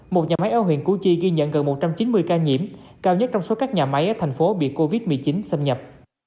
một nhà máy ở huyện củ chi ghi nhận gần một trăm chín mươi ca nhiễm cao nhất trong số các nhà máy ở thành phố bị covid một mươi chín xâm nhập